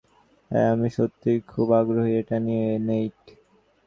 হ্যাঁ, আমি সত্যিই খুব আগ্রহী এটা নিয়ে, নেইট।